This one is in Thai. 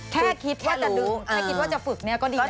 แค่คิดแค่จะดึงแค่คิดว่าจะฝึกเนี่ยก็ดีแล้ว